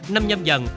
năm nhâm dần